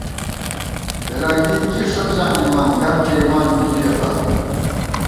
فِرَنگی کی ݭُک زانِمان گم کېئیمان پِلِئے فار